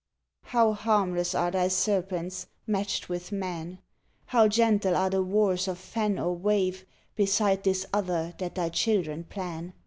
How harmless are thy serpents, matched with man ! How gentle are the wars of fen or wave, Beside this other that thy children plan!